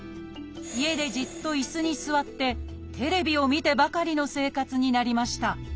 家でじっと椅子に座ってテレビを見てばかりの生活になりました。